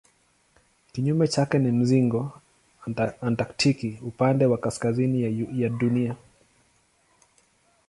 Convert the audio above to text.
Kinyume chake ni mzingo antaktiki upande wa kaskazini ya Dunia.